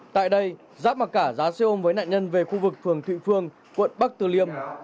tại đây giáp mà cả giá xe ôm với nạn nhân về khu vực phường thụy phương quận bắc từ liêm